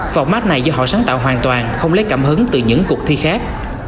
format này do họ sáng tạo hoàn toàn không lấy cảm hứng từ những cuộc thi khác